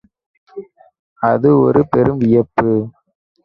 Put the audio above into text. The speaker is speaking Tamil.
அது ஒரு பெரும் வியப்பு.